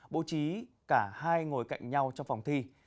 bố trí cả hai ngồi cạnh nhau trong phòng thi